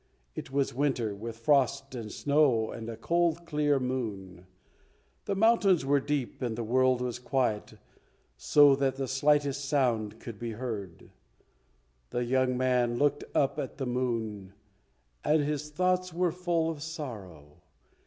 It was winter, with frost and snow and a cold, clear moon. The mountains were deep and the world was quiet, so that the slightest sound could be heard. The young man looked up at the moon and his thoughts were full of sorrow.